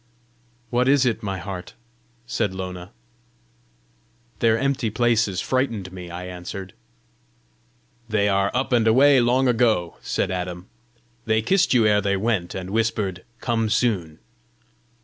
"What is it, my heart?" said Lona. "Their empty places frightened me," I answered. "They are up and away long ago," said Adam. "They kissed you ere they went, and whispered, 'Come soon.